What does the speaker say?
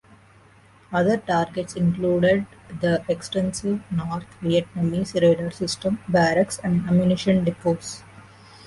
Other targets included the extensive North Vietnamese radar system, barracks, and ammunition depots.